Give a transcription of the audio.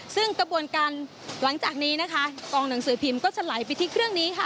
ซึ่งกระบวนการหลังจากนี้นะคะกองหนังสือพิมพ์ก็จะไหลไปที่เครื่องนี้ค่ะ